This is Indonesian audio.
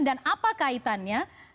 dan apa kaitannya